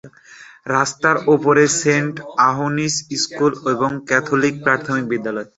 রাস্তার ওপারে Saint Anthony's school, একটি ক্যাথলিক প্রাথমিক বিদ্যালয়।